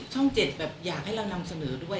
ช่องเจ็ดแบบอยากให้เรานำเสนอด้วย